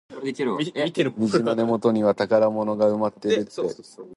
虹の根元には宝物が埋まっているって、子どもの頃は本気で信じてたなあ。